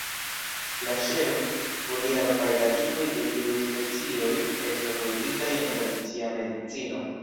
La ŝelo, foliaro kaj radikoj de iuj specioj estas uzitaj en tradicia medicino.